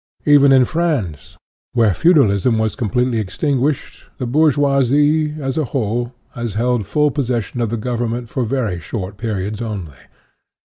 Even in France, where feudalism was completely extinguished, the bourgeois'e, as a whole, has held full possession of the Govern ment for very short periods only.